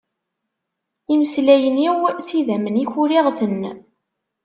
Imeslayen-iw s yidammen-ik uriɣ-ten.